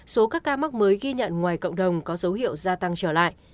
số các ca mắc mới ghi nhận ngoài cộng đồng có dấu hiệu gia tăng trở lại